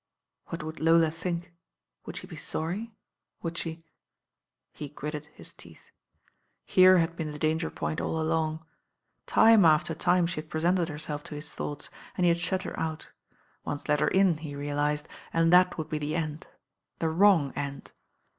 What would Lola think? Would she be sorry; would she ? He gritted his teeth. Here had tsd ^ THE DELUGE been the dangeri>oint ill along. Time after time •he had presented herself to hit thoughts, and hv had , hut her out. Once let her in, he realised, and that would be the end thc wrong end.